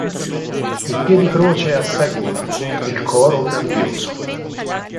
Il piedicroce è assai corto, e il coro grandioso.